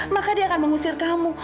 maka dia akan mengusir kamu